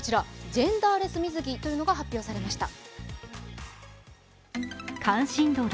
ジェンダーレス水着というのが発表されました。